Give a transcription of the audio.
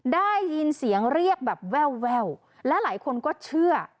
ได้ยินเสียงเรียกแบบแววและหลายคนก็เชื่อ